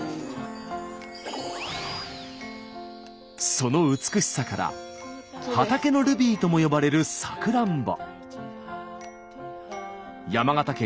その美しさから「畑のルビー」とも呼ばれるさくらんぼ。